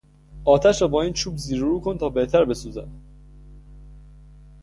آتش را با این چوب زیر و رو کن تا بهتر بسوزد.